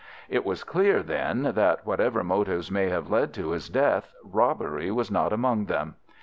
It was clear, then, that whatever motives may have led to his death, robbery was not among them.